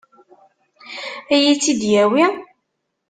Ad iyi-tt-id-yawi?